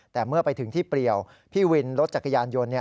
แต่เมื่อไปถึงที่เปรียวพี่วินรถจักรยานยนต์